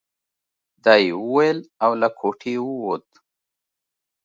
دا يې وويل او له کوټې ووت.